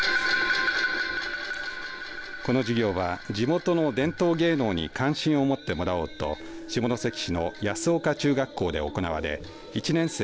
この授業は地元の伝統芸能に興味関心を持ってもらおうと下関市の安岡中学校で行われ１年生